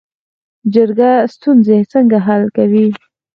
جرګه ستونزې څنګه حل کوي؟